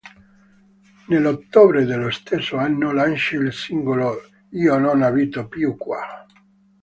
Nell'ottobre dello stesso anno lancia il singolo "Io non abito più qua".